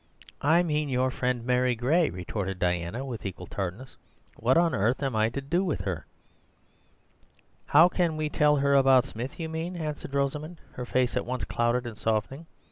"I mean your friend Mary Gray," retorted Diana with equal tartness. "What on earth am I to do with her?" "How can we tell her about Smith, you mean," answered Rosamund, her face at once clouded and softening.